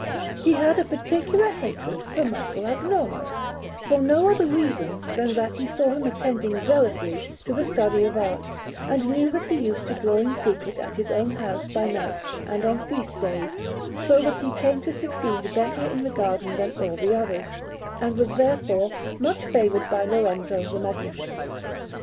He had a particular hatred for Michelagnolo, for no other reason than that he saw him attending zealously to the study of art, and knew that he used to draw in secret at his own house by night and on feast days, so that he came to succeed better in the garden than all the others, and was therefore much favoured by Lorenzo the Magnificent.